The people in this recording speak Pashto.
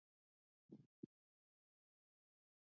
خپل ذهن ته وده ورکړئ.